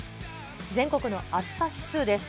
全国の暑さ指数です。